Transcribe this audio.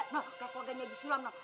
nah kalau keluarganya haji sulam loh